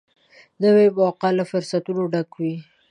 نوې موقعه له فرصتونو ډکه وي